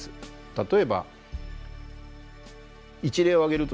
例えば一例を挙げるとですね